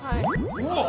うわっ！